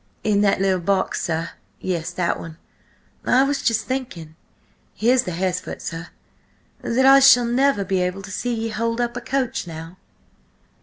"In that little box, sir–yes–that one. I was just thinking–here's the haresfoot, sir–that I shall never be able to see ye hold up a coach now!"